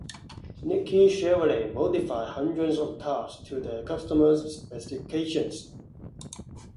Nickey Chevrolet modified hundreds of cars to their customers' specifications.